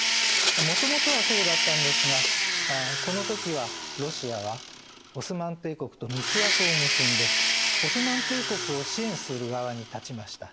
もともとはそうだったんですがこの時はロシアはオスマン帝国と密約を結んでオスマン帝国を支援する側に立ちました。